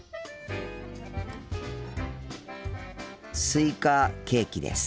スイカケーキです。